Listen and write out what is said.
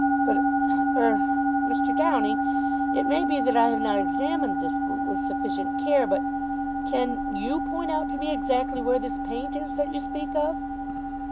But, er, Mr. Downing, it may be that I have not examined this boot with sufficient care, but Can you point out to me exactly where this paint is that you speak of?"